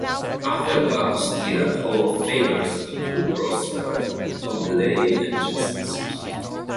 Other Bum Steer "Hall of Famers" include Ross Perot, Tom DeLay, and Jessica Simpson.